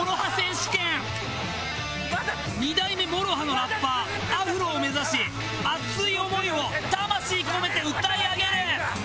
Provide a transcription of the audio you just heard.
２代目ＭＯＲＯＨＡのラッパーアフロを目指し熱い思いを魂込めて歌い上げる！